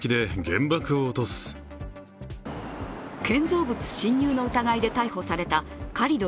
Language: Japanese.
建造物侵入の疑いで逮捕されたカリド